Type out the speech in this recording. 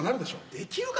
できるか？